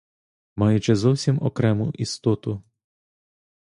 Маючи зовсім окрему істоту.